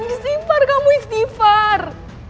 musibah kamu istifar